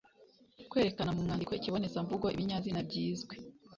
Kwerekana mu mwandiko Ikibonezamvugo Ibinyazina byizwe